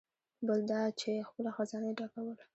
بل دا چې خپله خزانه یې ډکول.